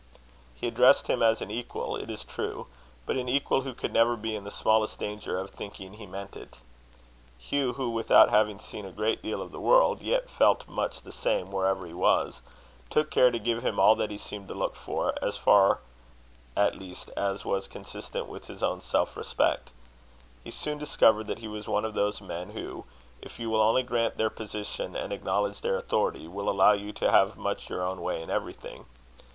He addressed him as an equal, it is true; but an equal who could never be in the smallest danger of thinking he meant it. Hugh, who, without having seen a great deal of the world, yet felt much the same wherever he was, took care to give him all that he seemed to look for, as far at least as was consistent with his own self respect. He soon discovered that he was one of those men, who, if you will only grant their position, and acknowledge their authority, will allow you to have much your own way in everything.